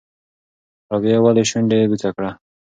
رابعې ولې شونډه بوڅه کړه؟